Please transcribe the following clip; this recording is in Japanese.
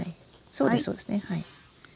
そうですそうですね。